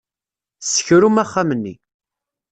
Ssekrum axxam-nni.